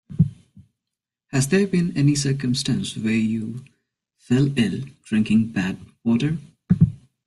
Has there been any circumstance where you fell ill drinking bad water?